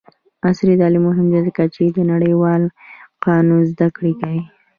عصري تعلیم مهم دی ځکه چې د نړیوال قانون زدکړه کوي.